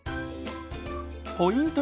ポイント